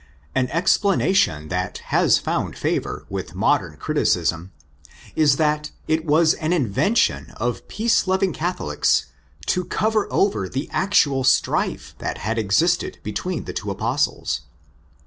An explanation that has found favour with modern criticism is that it was an invention of peace loving Catholics to cover over the actual strife that had existed between the two Apostles.